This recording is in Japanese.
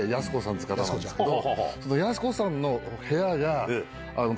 っつう方なんですけど。